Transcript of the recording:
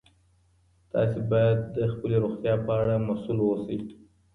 تاسي باید د خپلې روغتیا په اړه مسؤل اوسئ.